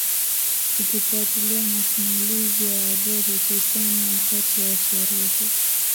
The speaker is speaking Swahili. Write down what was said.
Ukifuatilia masimulizi ya wazee hususani wakati wa sherehe